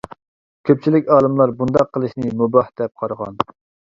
كۆپچىلىك ئالىملار بۇنداق قىلىشنى مۇباھ دەپ قارىغان.